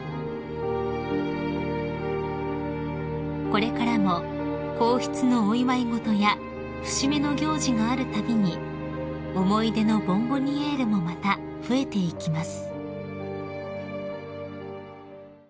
［これからも皇室のお祝い事や節目の行事があるたびに思い出のボンボニエールもまた増えていきます］